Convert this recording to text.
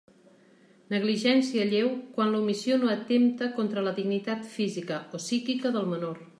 Negligència lleu, quan l'omissió no atempta contra la dignitat física o psíquica del menor.